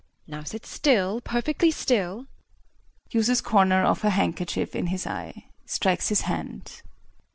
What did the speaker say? ] Now sit still, perfectly still. [Uses corner of her handkerchief in his eye. Strikes his hand.